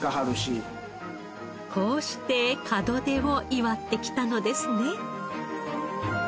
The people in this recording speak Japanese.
こうして門出を祝ってきたのですね。